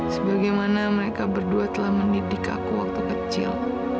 sebagaimana mereka berdua telah mendidik aku waktu kecil